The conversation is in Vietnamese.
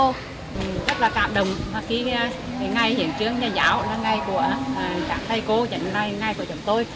rất là cảm động khi ngày hiến trương nhà giáo là ngày của thầy cô ngày của chúng tôi